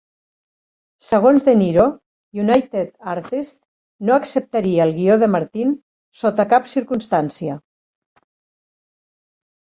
Segons De Niro, United Artists no acceptaria el guió de Martin sota cap circumstància.